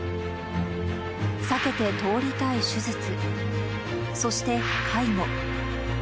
避けて通りたい手術、そして、介護。